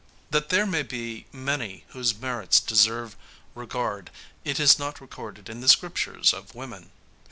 That there may be many whose merits deserve regard, is not recorded in the scriptures of women.